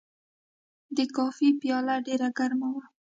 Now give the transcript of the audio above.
د کافي پیاله ډېر ګرمه وه.